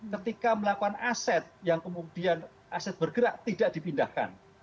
ketika melakukan aset yang kemudian aset bergerak tidak dipindahkan